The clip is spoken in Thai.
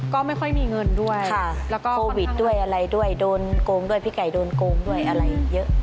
ค่ะโควิดด้วยอะไรด้วยโกงด้วยพี่ไก่โกงด้วยอะไรเยอะ